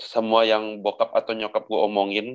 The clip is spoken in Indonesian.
semua yang bokap atau nyokap gue omongin